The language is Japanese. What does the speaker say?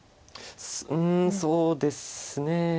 うんそうですね。